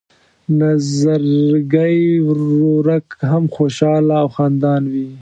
نظرګی ورورک هم خوشحاله او خندان وي.